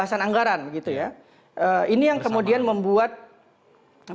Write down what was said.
karena pola kota itu ters down unesco